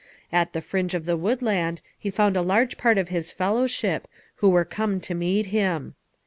At the fringe of the woodland he found a large part of his fellowship, who were come to meet him.